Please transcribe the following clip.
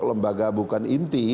lembaga bukan inti